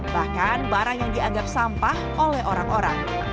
bahkan barang yang dianggap sampah oleh orang orang